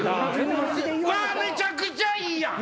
わめちゃくちゃいいやん！